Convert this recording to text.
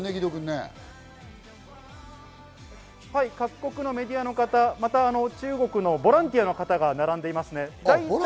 はい、各国のメディアの方、また中国のボランティアの方が並んでいます。